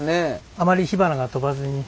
あまり火花が飛ばずに。